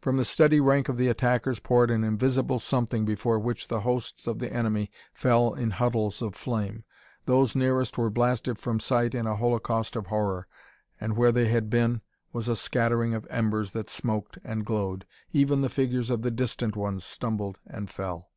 From the steady rank of the attackers poured an invisible something before which the hosts of the enemy fell in huddles of flame. Those nearest were blasted from sight in a holocaust of horror, and where they had been was a scattering of embers that smoked and glowed; even the figures of distant ones stumbled and fell.